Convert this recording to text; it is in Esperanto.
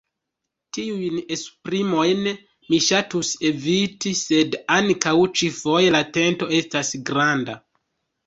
Tiujn esprimojn mi ŝatus eviti, sed ankaŭ ĉi-foje la tento estas granda.